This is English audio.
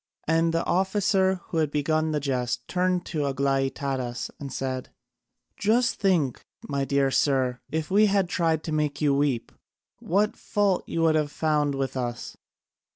And the officer who had begun the jest turned to Aglaïtadas and said: "Just think, my dear sir, if we had tried to make you weep! What fault you would have found with us!